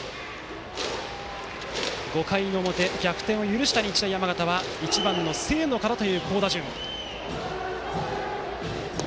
５回の表逆転を許した日大山形は１番の清野からという好打順。